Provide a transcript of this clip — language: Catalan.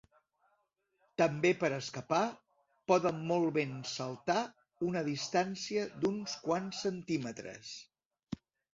També per escapar, poden molt ben saltar una distància d'uns quants centímetres.